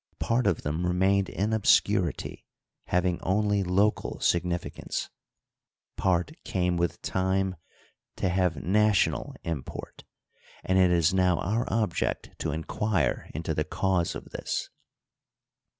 Part of them remained in obscurity, having only local significance ; part came with time to have national import ; and it is now our object to inquire into the cause of this.